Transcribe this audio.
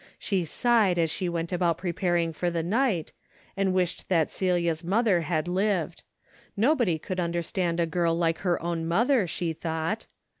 She sighed as she went about preparing for the night, and wished that Celia's mother had lived ; nobody could understand a girl like her own mother, she thought.